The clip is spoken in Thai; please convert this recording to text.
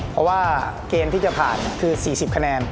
ช่วยฝังดินหรือกว่า